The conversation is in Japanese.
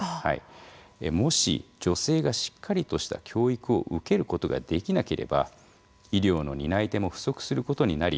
もし女性がしっかりとした教育を受けることができなければ医療の担い手も不足することになり